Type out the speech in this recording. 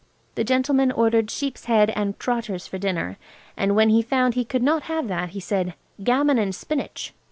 The gentleman ordered sheep's head and trotters for dinner, and when he found he could not have that he said– "Gammon and spinach!"